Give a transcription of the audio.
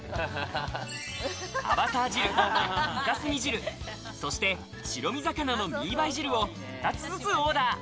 アバサー汁、イカスミ汁、そして白身魚のミーバイ汁を２つずつオーダー。